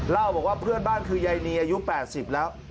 เล่าบอกว่าเพื่อนบ้านคือยายนีอายุ๘๐แล้ว